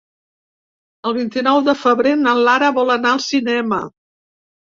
El vint-i-nou de febrer na Lara vol anar al cinema.